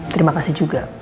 terima kasih juga